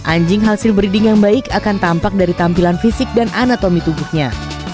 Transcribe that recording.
anjing hasil breeding yang baik akan tampak dari tampilan fisik dan anatomi tubuhnya